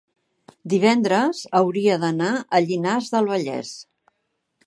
divendres hauria d'anar a Llinars del Vallès.